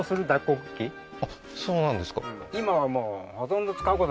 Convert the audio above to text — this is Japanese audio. あっそうなんですか